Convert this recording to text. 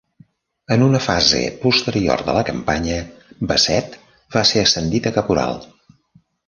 En una fase posterior de la campanya, Bassett va ser ascendit a caporal.